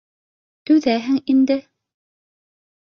— Түҙәһең инде.